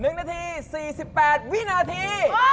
๑นาที๔๘วินาที